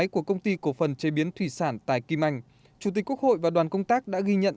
của công ty cổ phần chế biến thủy sản tài kim anh chủ tịch quốc hội và đoàn công tác đã ghi nhận